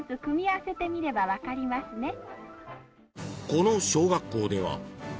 ［この小学校では］